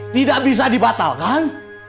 tidak bisa dibatalkan